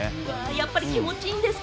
やっぱり気持ちいいんですか？